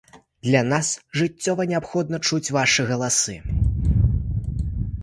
Для нас жыццёва неабходна чуць вашы галасы!